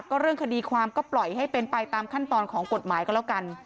ก็เรื่องคดีความก็ปล่อยให้เป็นไปตามขั้นตอนของกฎหมายก็แล้วกัน